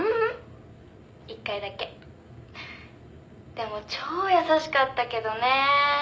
「でも超優しかったけどね。